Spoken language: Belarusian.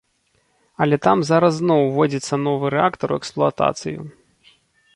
Але там зараз зноў уводзіцца новы рэактар у эксплуатацыю.